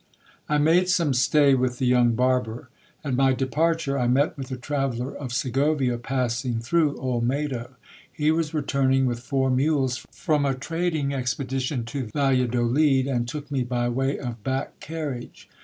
I made some stay with the young barber. At my departure, I met with a traveller of Segovia passing through Olmedo. He was returning with four mules from a trading expedition to Valladolid, and took me by way of back car riage.